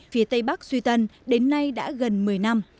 phía tây bắc suy tân đến nay đã gần một mươi năm